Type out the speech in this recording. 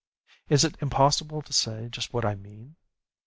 It is impossible to say just what I mean!